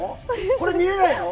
これ見れないの？